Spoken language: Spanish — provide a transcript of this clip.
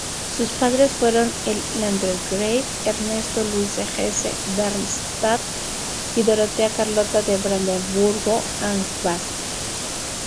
Sus padres fueron el landgrave Ernesto Luis de Hesse-Darmstadt y Dorotea Carlota de Brandeburgo-Ansbach.